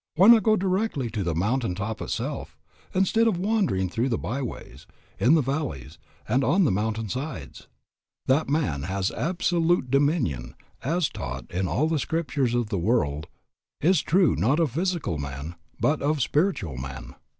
Why not go directly to the mountain top itself, instead of wandering through the by ways, in the valleys, and on the mountain sides? That man has absolute dominion, as taught in all the scriptures of the world, is true not of physical man, but of spiritual man.